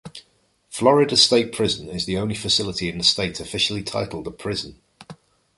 Florida State Prison is the only facility in the state officially titled a "Prison".